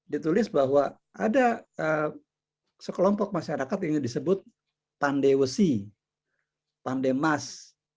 ditulis bahwa ada sekelompok masyarakat yang disebut pandai besi pandai mas